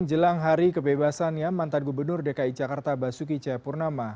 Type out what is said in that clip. jelang hari kebebasannya mantan gubernur dki jakarta basuki cahayapurnama